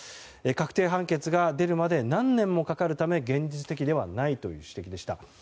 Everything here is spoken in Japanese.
確定判決が出るまで何年もかかるため現実的ではないという指摘でした。